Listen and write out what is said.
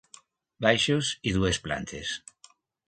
Baixos i dues plantes.